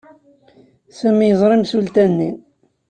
Sami yeẓra imsulta-nni.